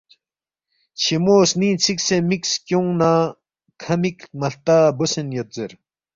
چھیمو سنینگ ژھکسے مک سکیونگنہ کھ مک مہلتا بوسین یود زیر